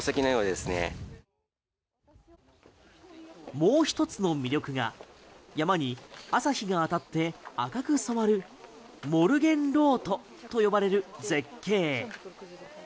もう１つの魅力が山に朝日が当たって赤く染まるモルゲンロートと呼ばれる絶景。